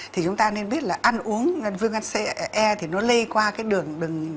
thì chúng ta nên biết là ăn uống viêm gan c e thì nó lây qua cái đường